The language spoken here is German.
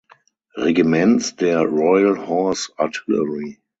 Regiments der "Royal Horse Artillery".